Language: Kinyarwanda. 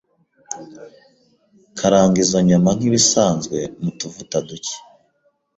Karanga izo nyama nk’ibisanzwe mu tuvuta duke